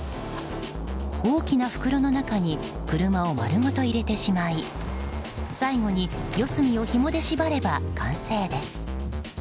大きな袋の中に車を丸ごと入れてしまい最後に四隅をひもで縛れば完成です。